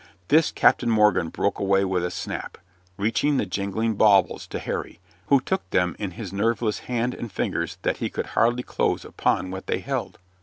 This Captain Morgan broke away with a snap, reaching the jingling baubles to Harry, who took them in his nerveless hand and fingers that he could hardly close upon what they held.